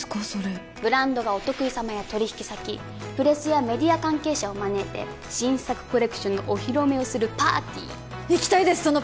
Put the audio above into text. それブランドがお得意様や取引先プレスやメディア関係者を招いて新作コレクションのお披露目をするパーティー行きたいです！